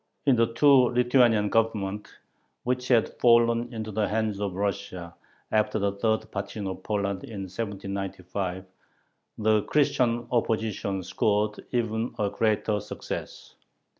In the two Lithuanian Governments which had fallen into the hands of Russia after the third partition of Poland, in 1795, the Christian opposition scored even a greater success.